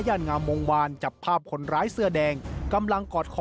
งามวงวานจับภาพคนร้ายเสื้อแดงกำลังกอดคอ